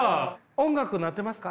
音楽鳴ってますか？